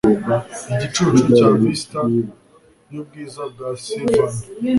Igicucu cya vista yubwiza bwa sylvan